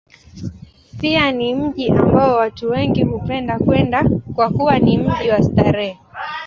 Pia ni mji ambao watu wengi hupenda kwenda, kwa kuwa ni mji wa starehe.